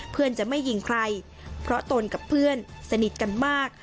เพื่อนจะไม่ยิงใครเพราะตนกับเพื่อนสนิทกันมาก